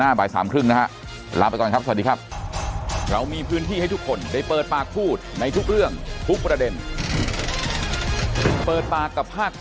หน้าบ่ายสามครึ่งนะครับลาไปก่อนครับ